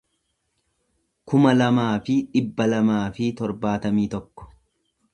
kuma lamaa fi dhibba lamaa fi torbaatamii tokko